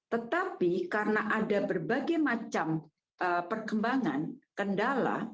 tetapi karena ada berbagai macam perkembangan kendala